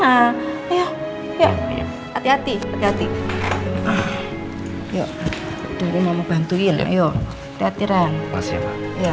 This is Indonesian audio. bapak ini mau ganggu anak saya pak